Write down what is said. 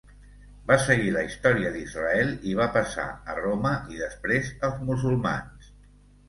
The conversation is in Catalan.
Va seguir la història d'Israel, i va passar a Roma i després als musulmans.